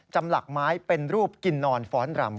จำหลักไม้เป็นรูปกินนอนฟ้อนรำ